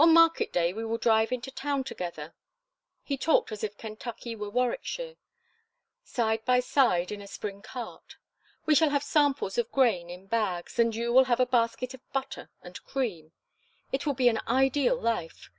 On market day we will drive into town together" he talked as if Kentucky were Warwickshire "side by side in a spring cart. I shall have samples of grain in bags, and you will have a basket of butter and cream. It will be an ideal life.